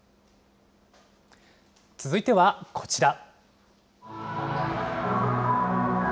続いてはこちら。